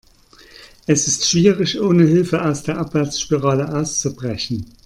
Es ist schwierig, ohne Hilfe aus der Abwärtsspirale auszubrechen.